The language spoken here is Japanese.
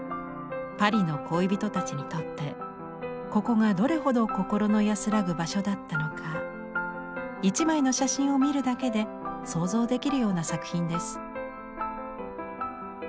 パリの恋人たちにとってここがどれほど心の安らぐ場所だったのか１枚の写真を見るだけで想像できるような作品です。